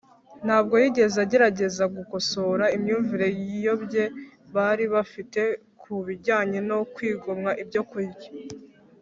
ntabwo yigeze agerageza gukosora imyumvire iyobye bari bafite ku bijyanye no kwigomwa ibyo kurya,